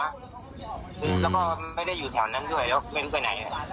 แล้วก็ไม่ได้อยู่แถวนั้นด้วยแล้วไม่รู้ไปไหน